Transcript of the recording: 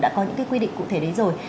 đã có những cái quy định cụ thể đấy rồi